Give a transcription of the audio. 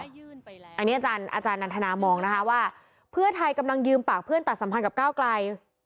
อันนี้อาจารย์นันทนามองนะคะว่าเพื่อไทยกำลังยืมปากเพื่อนตัดสัมพันธ์กับก้าวไกล